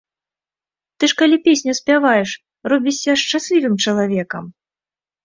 Ты ж калі песню спяваеш, робішся шчаслівым чалавекам!